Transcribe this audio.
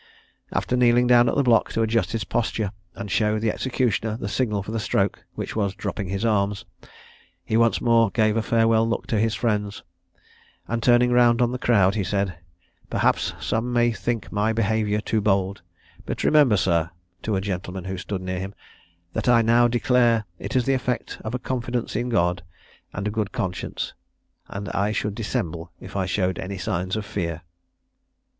After kneeling down at the block to adjust his posture, and show the executioner the signal for the stroke, which was dropping his arms, he once more gave a farewell look to his friends, and turning round on the crowd, said, "Perhaps some may think my behaviour too bold; but remember, sir, (to a gentleman who stood near him,) that I now declare it is the effect of a confidence in God, and a good conscience; and I should dissemble if I showed any signs of fear."